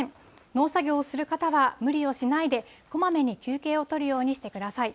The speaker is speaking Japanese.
農作業をする方は無理をしないで、こまめに休憩をとるようにしてください。